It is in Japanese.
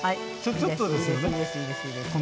ちょっとですよね？